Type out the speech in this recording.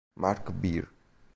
Mark Beer